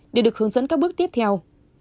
đều được hướng dẫn các bước tiếp theo